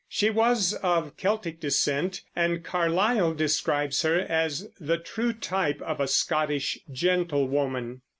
She was of Celtic descent, and Carlyle describes her as the true type of a Scottish gentlewoman.